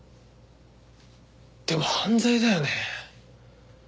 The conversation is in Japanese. でも犯罪だよね？